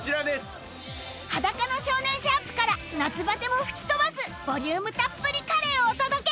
『♯裸の少年』から夏バテも吹き飛ばすボリュームたっぷりカレーをお届け